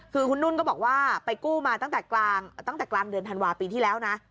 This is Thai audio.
คือคุณนุ่นก็บอกว่าไปกู้มาตั้งแต่กลางเดือนธันวาปีที่แล้วนะ